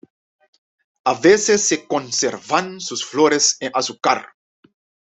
A veces se conservan sus flores en azúcar.